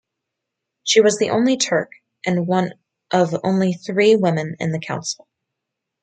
She was the only Turk and one of only three women in the council.